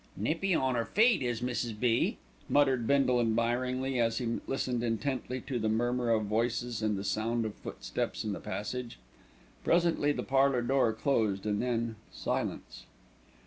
"Nippy on 'er feet is Mrs. B.," muttered Bindle admiringly, as he listened intently to the murmur of voices and the sound of footsteps in the passage. Presently the parlour door closed and then silence.